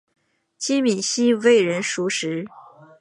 金珉锡为人熟识。